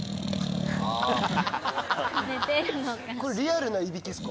これリアルないびきですか？